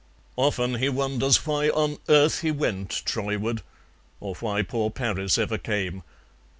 Often he wonders why on earth he went Troyward, or why poor Paris ever came.